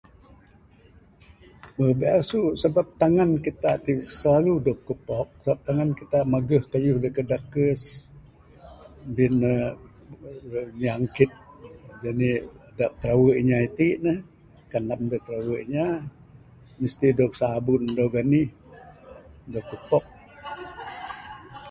Meh birasu sabab tangan kita t selalu dok kupok, sabab tangan kita da megeh keyuh dak dekes bin ne nyangkit jenik dak tirewu inya iti ne kendam dak tirewu inya mesti dok sabun dok enih dok kupok.